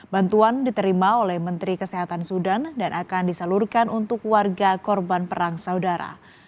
bantuan diterima oleh menteri kesehatan sudan dan akan disalurkan untuk warga korban perang saudara